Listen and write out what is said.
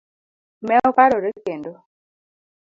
Ne oparore kendo.